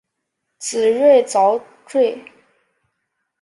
紫蕊蚤缀